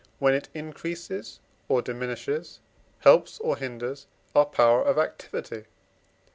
when it increases or diminishes, helps or hinders, our power of activity.